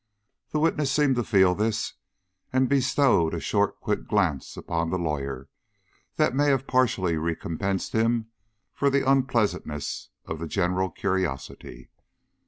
The witness seemed to feel this, and bestowed a short, quick glance upon the lawyer, that may have partially recompensed him for the unpleasantness of the general curiosity.